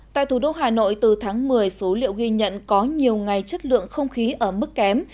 tại thủ đô hà nội từ tháng một mươi số liệu ghi nhận có nhiều ngày chất lượng không khí ở mức kém